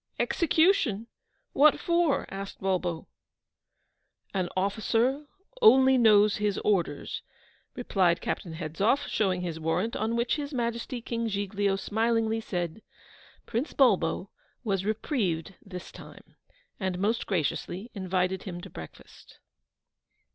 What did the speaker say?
'Execution! what for?' asked Bulbo. 'An officer only knows his orders,' replied Captain Hedzoff, showing his warrant, on which His Majesty King Giglio smilingly said, 'Prince Bulbo was reprieved this time,' and most graciously invited him to breakfast.